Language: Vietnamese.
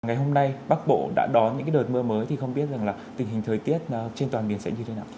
ngày hôm nay bắc bộ đã đón những đợt mưa mới thì không biết tình hình thời tiết trên toàn miền sẽ như thế nào